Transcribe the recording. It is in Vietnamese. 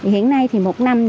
hiện nay thì một năm